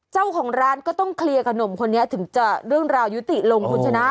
เจ้าของร้านก็ต้องเคลียร์กับหนุ่มคนนี้ถึงจะเรื่องราวยุติลงคุณชนะ